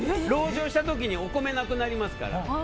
籠城した時お米がなくなりますから。